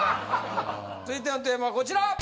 続いてのテーマはこちら！